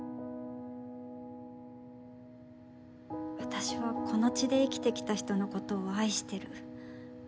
私はこの血で生きてきた人のことを愛してる。